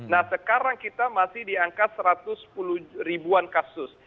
nah sekarang kita masih di angka satu ratus sepuluh ribuan kasus